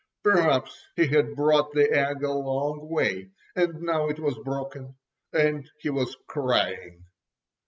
Perhaps he had brought the egg a long way, and now it was broken—and he was crying.